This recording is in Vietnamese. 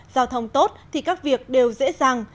giao thông tốt thì các việc đều dễ dàng